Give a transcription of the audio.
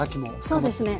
そうですね。